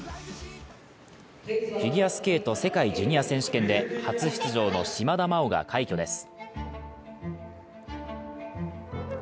フィギュアスケート世界ジュニア選手権で初出場の島田麻央が快挙です。